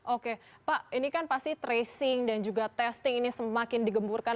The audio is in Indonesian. oke pak ini kan pasti tracing dan juga testing ini semakin digemburkan